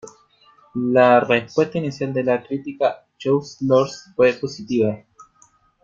La respuesta inicial de la crítica a "Chosen Lords" fue positiva.